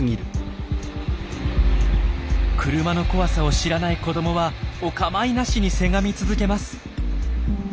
車の怖さを知らない子どもはお構いなしにせがみ続けます。